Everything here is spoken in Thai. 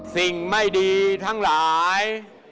สิ่งไม่ดีทั้งหลาย